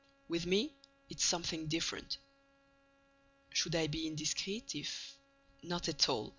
"With me, it's something different." "Should I be indiscreet, if—?" "Not at all.